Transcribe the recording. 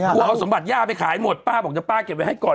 กลัวเอาสมบัติย่าไปขายหมดป้าบอกเดี๋ยวป้าเก็บไว้ให้ก่อน